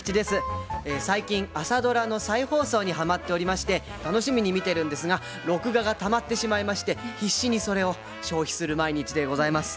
最近朝ドラの再放送にハマっておりまして楽しみに見てるんですが録画がたまってしまいまして必死にそれを消費する毎日でございます。